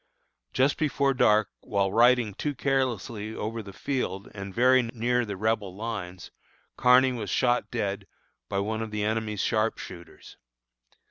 Just before dark, while riding too carelessly over the field and very near the rebel lines, Kearny was shot dead by one of the enemy's sharpshooters.